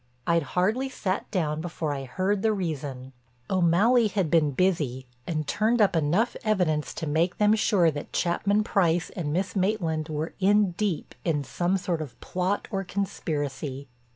I'd hardly sat down before I heard the reason. O'Malley had been busy and turned up enough evidence to make them sure that Chapman Price and Miss Maitland were in deep in some sort of plot or conspiracy.